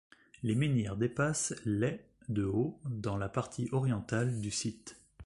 Les menhirs dépassent les de haut dans la partie orientale du site.